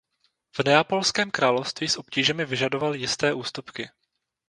V Neapolském království s obtížemi vyžadoval jisté ústupky.